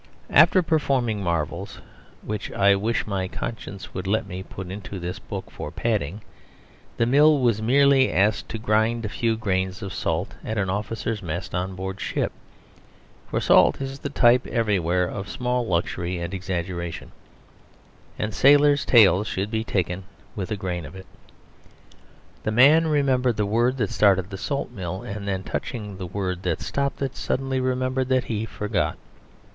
After performing marvels (which I wish my conscience would let me put into this book for padding) the mill was merely asked to grind a few grains of salt at an officers' mess on board ship; for salt is the type everywhere of small luxury and exaggeration, and sailors' tales should be taken with a grain of it. The man remembered the word that started the salt mill, and then, touching the word that stopped it, suddenly remembered that he forgot.